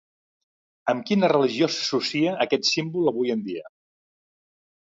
Amb quina religió s'associa aquest símbol avui en dia?